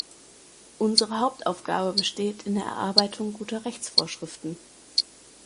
Unsere Hauptaufgabe besteht in der Erarbeitung guter Rechtsvorschriften.